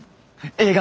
映画！